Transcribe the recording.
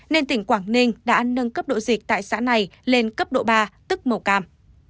nên tỉnh quảng ninh đã nâng cấp độ dịch tại xã này lên cấp độ ba tức màu cam